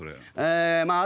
ええまあ